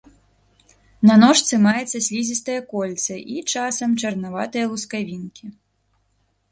На ножцы маецца слізістае кольца і, часам, чарнаватыя лускавінкі.